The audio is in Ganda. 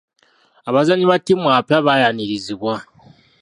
Abazannyi ba ttiimu abapya baayanirizibwa.